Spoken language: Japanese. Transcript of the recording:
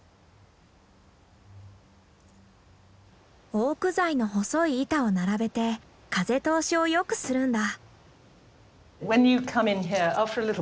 オーク材の細い板を並べて風通しを良くするんだ。